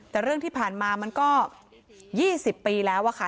แต่เรื่องที่ผ่านมามันก็๒๐ปีแล้วอะค่ะ